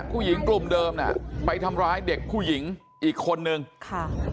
ผู้หญิงกลุ่มเดิมน่ะไปทำร้ายเด็กผู้หญิงอีกคนนึงค่ะ